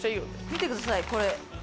見てくださいこれ。何？